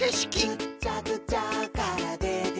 「ぐっちゃぐちゃからでてきたえ」